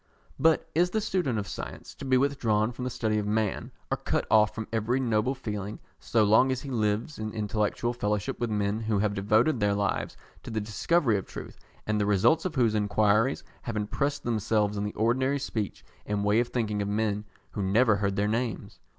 But is the student of science to be withdrawn from the study of man, or cut off from every noble feeling, so long as he lives in intellectual fellowship with men who have devoted their lives to the discovery of truth, and the results of whose enquiries have impressed themselves on the ordinary speech and way of thinking of men who never heard their names?